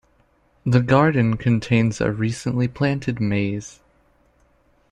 The garden contains a recently planted maze.